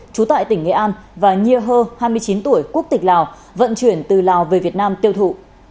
chú tại tỉnh nghệ an và nhiêu hơ hai mươi chín tuổi quốc tịch lào vận chuyển từ lào về việt nam tiêu thụ